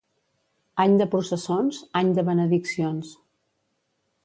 Any de processons, any de benediccions.